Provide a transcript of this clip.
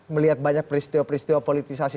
melihat banyak peristiwa peristiwa politisasi